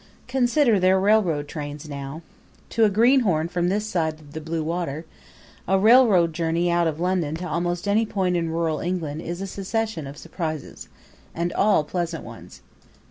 Consider their railroad trains now: To a greenhorn from this side the blue water, a railroad journey out of London to almost any point in rural England is a succession of surprises, and all pleasant ones.